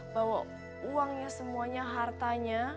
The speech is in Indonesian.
bawa uangnya semuanya hartanya